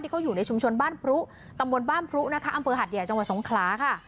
เขาอยู่ในชุมชนบ้านพรุตำบลบ้านพรุนะคะอำเภอหัดใหญ่จังหวัดสงขลาค่ะ